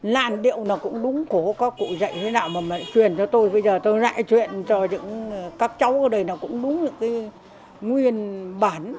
nạn điệu nó cũng đúng cổ có cụ dạy thế nào mà chuyển cho tôi bây giờ tôi lại chuyển cho các cháu ở đây nó cũng đúng những cái nguyên bản